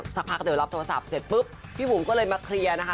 สักพักเดี๋ยวรับโทรศัพท์เสร็จปุ๊บพี่บุ๋มก็เลยมาเคลียร์นะคะ